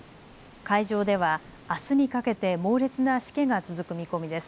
海上ではあすにかけて猛烈なしけが続く見込みです。